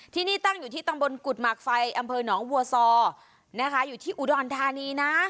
ที่นี่ตั้งอยู่ที่ตำบลกุฎหมากไฟอำเภอหนองบัวซอนะคะอยู่ที่อุดรธานีนะ